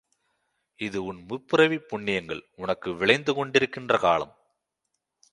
இது உன் முற்பிறவிப் புண்ணியங்கள் உனக்கு விளைந்து கொண்டிருக்கின்ற காலம்.